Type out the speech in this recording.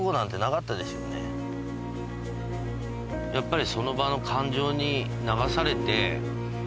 やっぱり。